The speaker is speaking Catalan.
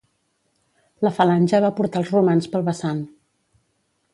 La falange va portar els romans pel vessant.